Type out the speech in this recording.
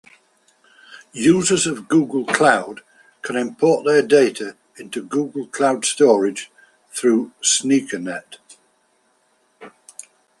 Users of Google Cloud can import their data into Google Cloud Storage through sneakernet.